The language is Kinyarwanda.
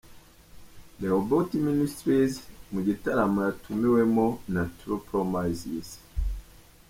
Rehoboth Ministries mu gitaramo yatumiwemo na True Promises.